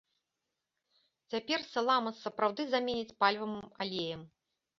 Цяпер саламас сапраўды заменяць пальмавым алеем.